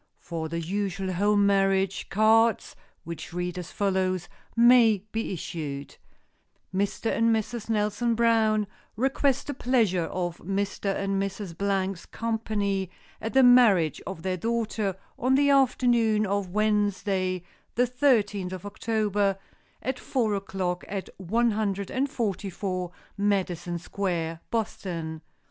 For the usual home marriage, cards, which read as follows, may be issued: "Mr. and Mrs. Nelson Brown request the pleasure of Mr. and Mrs. Blank's company at the marriage of their daughter on the afternoon of Wednesday, the thirteenth of October, at four o'clock, at One hundred and forty four Madison Square, Boston."